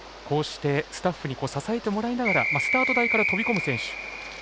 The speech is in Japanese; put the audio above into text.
スタッフに支えてもらいながらスタート台から飛び込む選手。